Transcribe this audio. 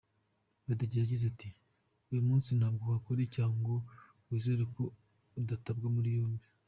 Badege yagize ati: “Uyu munsi ntabwo wakora icyaha ngo wizere ko udatabwa muri yombi.